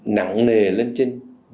nặng nề lên trên